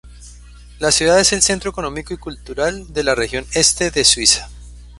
La ciudad es el centro económico y cultural de la región este de Suiza.